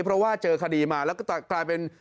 เพราะว่าเจอคดีมาแล้วก็กลายเป็น